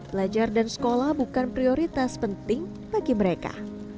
belajar dan sekolah bukan prioritas penting bagi mereka